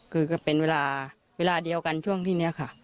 คือก็เป็นเวลาเวลาเดียวกันช่วงที่นี้ค่ะ